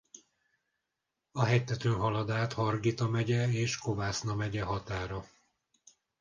A hegytetőn halad át Hargita megye és Kovászna megye határa.